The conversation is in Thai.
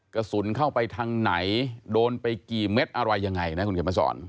กระสุนเข้าไปทางไหนโดนไปกี่เม็ดอะไรยังไงนะคุณเขียนมาสอน